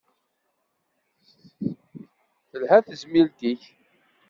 Telha tezmilt-ik?